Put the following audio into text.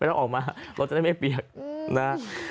ต้องออกมารถจะได้ไม่เปียกนะ